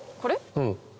うん。